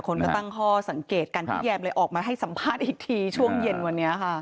คนก็ตั้งข้อสังเกตกันพี่แยมเลยออกมาให้สัมภาษณ์อีกทีช่วงเย็นวันนี้ค่ะ